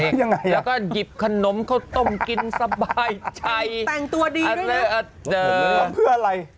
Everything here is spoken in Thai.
ยังไงแล้วก็หยิบขนมเขาต้มกินสบายใจแต่งตัวดีด้วยนะเอ่อเอ่อเพื่ออะไร